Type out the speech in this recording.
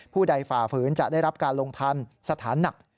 ผู้ใดฝ่าฝืนจะได้รับการลงทันสถานหนัก